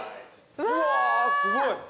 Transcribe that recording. うわすごい。